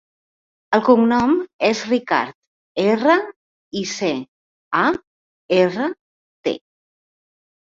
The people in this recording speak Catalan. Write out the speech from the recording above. El seu cognom és Ricart: erra, i, ce, a, erra, te.